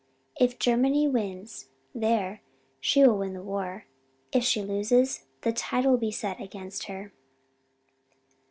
If Germany wins there she will win the war. If she loses, the tide will set against her."